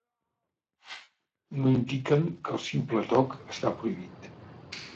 No indiquen que el simple toc està prohibit.